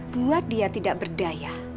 buat dia tidak berdaya